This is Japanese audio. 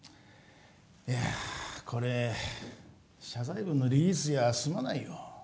いや、これ謝罪文のリリースじゃ済まないよ。